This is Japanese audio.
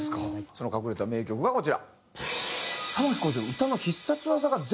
その隠れた名曲がこちら。